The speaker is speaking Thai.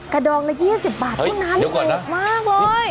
กระดองละ๒๐บาทตรงนั้นออกมากเลย